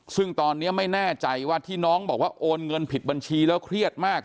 ซึ่งตอนนี้ไม่แน่ใจว่าที่น้องบอกว่าโอนเงินผิดบัญชีแล้วเครียดมาก